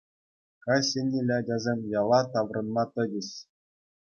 Каҫ еннелле ачасем яла таврӑнма тӑчӗҫ.